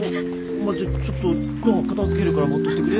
まあちょっちょっと片づけるから待っとってくれ。